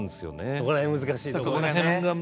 そこら辺難しいとこだね。